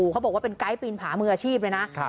เขาบอกว่าเป็นไกด์ปีนผามืออาชีพเลยนะ